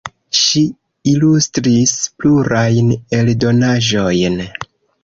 Ŝi ilustris plurajn eldonaĵojn.